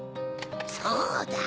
そうだ！